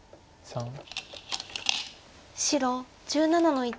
白１７の一。